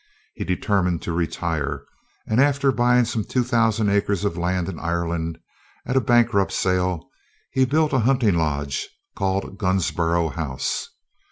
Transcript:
He determined to retire, and after buying some 2,000 acres of land in Ireland, at a bankrupt sale, he built a hunting lodge, called Gunsborough House.